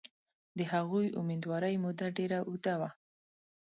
د هغوی امیندوارۍ موده ډېره اوږده وه.